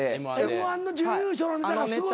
Ｍ−１の準優勝のネタがすご過ぎた。